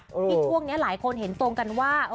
ที่ช่วงนี้หลายคนเห็นตรงกันว่า